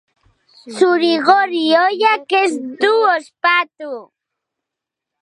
Zurigorri ohiak ez du ospatu.